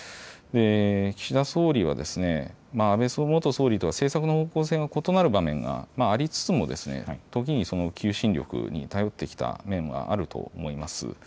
岸田総理は安倍元総理とは政策の方向性が異なる場面がありつつも、時にその求心力に頼ってきた面はあると思います。